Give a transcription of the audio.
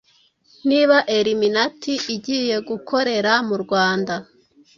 Niba elluminate igiye gukorera mu Rwanda